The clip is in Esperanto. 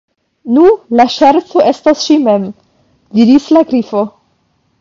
"Nu, la ŝerco estas ŝi mem," diris la Grifo.